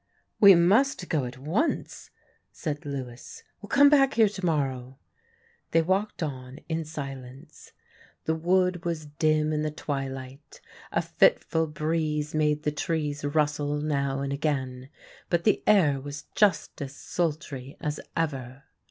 "We must go at once," said Lewis, "we'll come back here to morrow." They walked on in silence. The wood was dim in the twilight, a fitful breeze made the trees rustle now and again, but the air was just as sultry as ever.